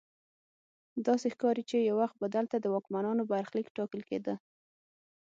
داسې ښکاري چې یو وخت به دلته د واکمنانو برخلیک ټاکل کیده.